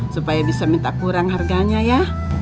supaya bisa minta kurang harganya ya